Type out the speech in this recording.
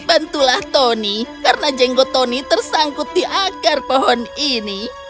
bantulah tony karena jenggot tony tersangkut di akar pohon ini